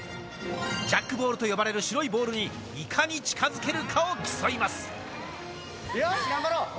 ジャックボールと呼ばれる白いボールに、いかに近づけるかを競いよし、頑張ろう。